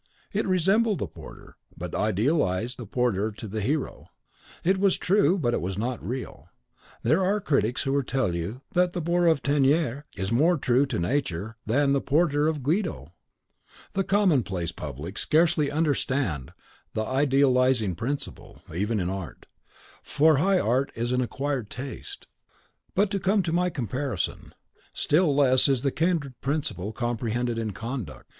It resembled the porter, but idealised the porter to the hero. It was true, but it was not real. There are critics who will tell you that the Boor of Teniers is more true to Nature than the Porter of Guido! The commonplace public scarcely understand the idealising principle, even in art; for high art is an acquired taste. But to come to my comparison. Still less is the kindred principle comprehended in conduct.